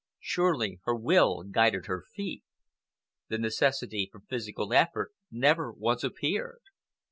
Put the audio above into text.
Surely her will guided her feet! The necessity for physical effort never once appeared.